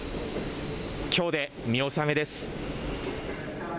きょうで見納めです。